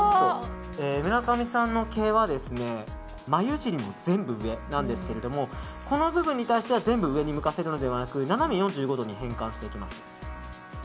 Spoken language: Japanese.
村上さんの毛は眉尻も全部上なんですけどこの部分に対しては全部上に向かせるのではなく斜め４５度に変換していきます。